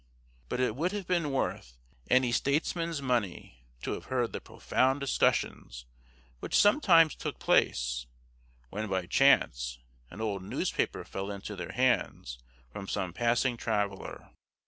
But it would have been worth any statesman's money to have heard the profound discussions which sometimes took place, when by chance an old newspaper fell into their hands from some passing traveller.